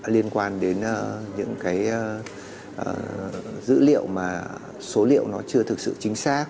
liên quan đến những cái dữ liệu mà số liệu nó chưa thực sự chính xác